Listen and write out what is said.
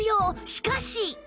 しかし